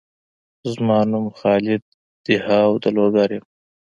زما نوم خالد دهاو د لوګر یم